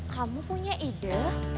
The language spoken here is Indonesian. kamu punya ide